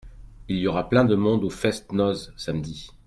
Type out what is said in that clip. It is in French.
Il y aura plein de monde au fest-noz samedi.